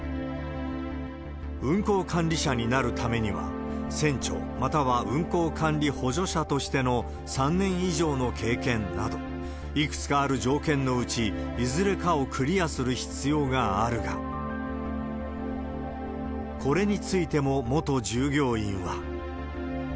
運航管理者になるためには、船長または運航管理補助者としての３年以上の経験など、いくつかある条件のうち、いずれかをクリアする必要があるが、これについても元従業員は。